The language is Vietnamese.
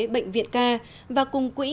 bệnh viện ca và cùng quỹ